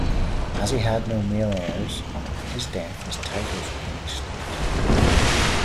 As he had no male heirs, on his death his titles became extinct.